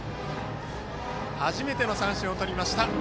初めての三振をとりました